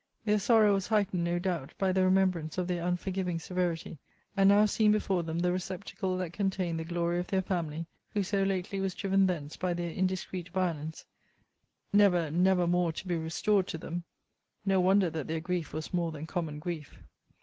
Their sorrow was heightened, no doubt, by the remembrance of their unforgiving severity: and now seeing before them the receptacle that contained the glory of their family, who so lately was driven thence by their indiscreet violence; never, never more to be restored to them no wonder that their grief was more than common grief.